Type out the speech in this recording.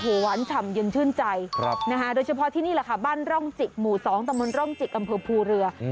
โอ้โหหวานฉ่ำเย็นชื่นใจโดยเฉพาะที่นี่แหละค่ะบ้านร่องจิกหมู่๒ตะบนร่องจิกอำเภอภูเรือ